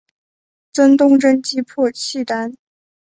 曾东征击破契丹。